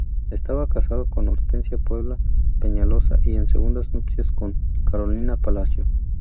Estaba casado con Hortensia Puebla Peñaloza y en segundas nupcias con Carolina Palacio.